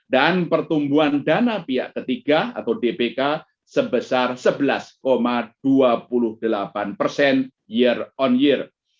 dan pertumbuhan dana pihak ketiga atau dpk sebesar sebelas dua puluh delapan year on year